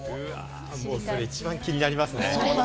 それ一番気になりますね。